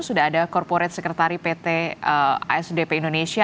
sudah ada korporat sekretari pt sdp indonesia